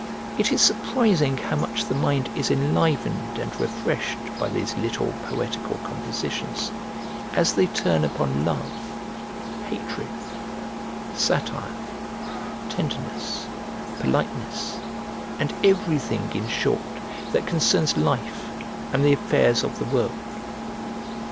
It is surprising how much the mind is enlivened and refreshed by these little poetical compositions, as they turn upon love, hatred, satire, tenderness, politeness, and everything, in short, that concerns life and the affairs of the world.